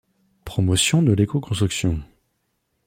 Promotion de l'écoconstruction.